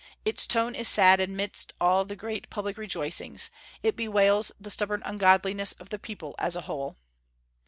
Its tone is sad amidst all the great public rejoicings; it bewails the stubborn ungodliness of the people as a whole."